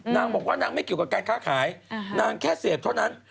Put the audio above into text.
นางบอกว่านางไม่เกี่ยวกับการค้าขายนางแค่เสพเท่านั้น